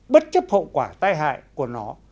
bất chấp hậu quả tai hại của nó